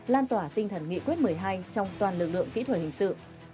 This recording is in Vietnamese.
lan tỏa tinh thần nghị quyết một mươi hai trong toàn lực lượng kỹ thuật hình sự